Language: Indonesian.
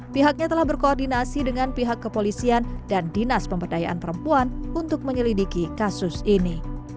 pihaknya telah berkoordinasi dengan pihak kepolisian dan dinas pemberdayaan perempuan untuk menyelidiki kasus ini